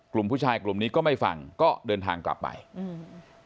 กลุ่มผู้ชายกลุ่มนี้ก็ไม่ฟังก็เดินทางกลับไปอืม